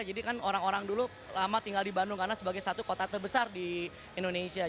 jadi kan orang orang dulu lama tinggal di bandung karena sebagai satu kota terbesar di indonesia